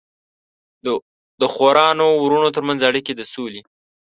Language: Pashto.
د خویندو ورونو ترمنځ اړیکې د سولې